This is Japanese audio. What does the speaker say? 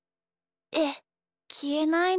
えっきえないの？